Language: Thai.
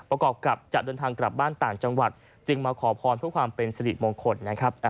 ประกอบกับจะเดินทางกลับบ้านต่างจังหวัดจึงมาขอพรเพื่อความเป็นสิริมงคลนะครับ